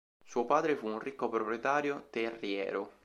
Suo padre fu un ricco proprietario terriero.